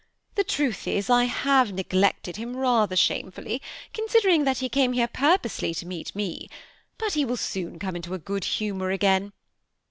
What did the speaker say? The truth is, I have neglected him rather shamefully, considering that he came here purposely to meet me ; but he will soon come into good humor again.